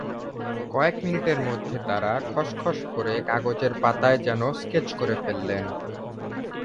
কয়েক মিনিটের মধ্যে তাঁরা খসখস করে কাগজের পাতায় যেন স্কেচ করে ফেললেন।